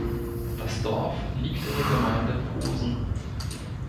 Das Dorf liegt in der Gemeinde Posen.